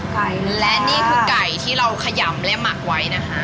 ไก่และนี่คือไก่ที่เราขยำและหมักไว้นะคะ